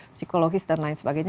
psikologis dan lain sebagainya